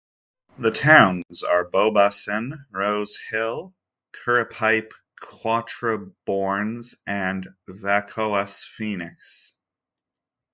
The towns are Beau-Bassin Rose-Hill, Curepipe, Quatre Bornes and Vacoas-Phoenix.